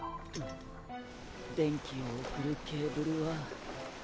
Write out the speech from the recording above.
電気を送るケーブルは。